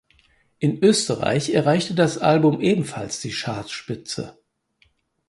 In Österreich erreichte das Album ebenfalls die Chartspitze.